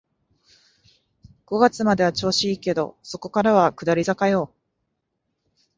五月までは調子いいけど、そこからは下り坂よ